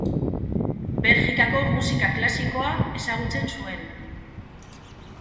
Belgikako musika klasikoa ezagutzen zuen.